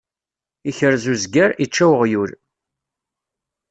Ikrez uzger, ičča uɣyul.